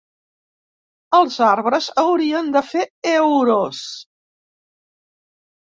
Els arbres haurien de fer euros.